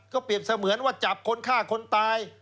เปรียบเสมือนว่าจับคนฆ่าคนตาย